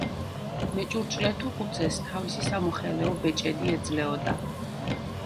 მეჭურჭლეთუხუცესს თავისი სამოხელეო ბეჭედი ეძლეოდა.